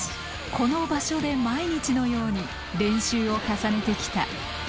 この場所で毎日のように練習を重ねてきた。